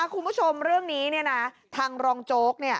คุณผู้ชมเรื่องนี้ทางรองโจ๊ก